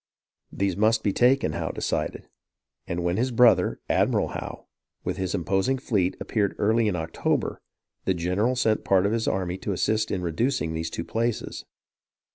These must be taken, Howe decided ; and when his brother, Admiral Howe, with his imposing fleet appeared early in October, the general sent a part of his army to assist in reducing these two places.